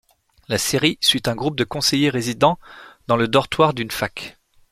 La série suit un groupe de conseillers résidents dans le dortoir d'une fac.